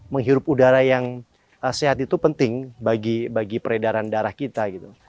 menghirup udara yang sehat itu penting bagi peredaran darah kita